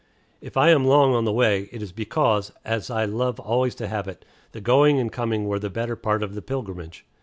If I am long on the way, it is because, as I love always to have it, the going and coming were the better part of the pilgrimage.